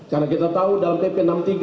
karena kita tahu dalam pp enam puluh tiga